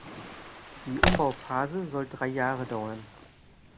Die Umbauphase soll drei Jahre dauern.